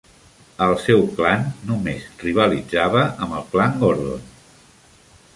El seu "clan" només rivalitzava amb el clan Gordon.